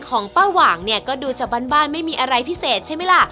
ของป้าหว่างเนี่ยก็ดูจากบ้านไม่มีอะไรพิเศษใช่ไหมล่ะ